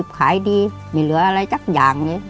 ขายดีไม่เหลืออะไรสักอย่างเลย